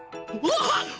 うわっ！？